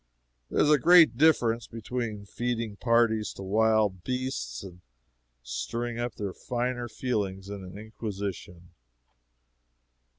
There is a great difference between feeding parties to wild beasts and stirring up their finer feelings in an Inquisition.